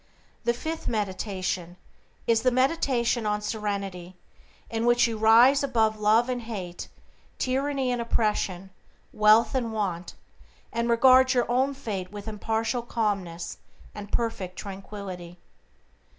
"The fifth meditation is the meditation on serenity, in which you rise above love and hate, tyranny and oppression, wealth and want, and regard your own fate with impartial calmness and perfect tranquillity."